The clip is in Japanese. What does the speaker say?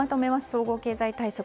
総合経済対策。